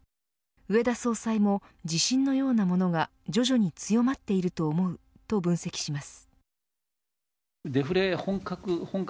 植田総裁も、自信のようなものが徐々に強まっていると思うと分析します。